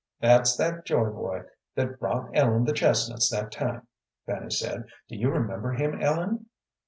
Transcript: "That's that Joy boy that brought Ellen the chestnuts that time," Fanny said. "Do you remember him, Ellen?"